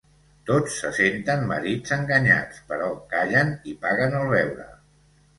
Tots se senten marits enganyats, però callen i paguen el beure.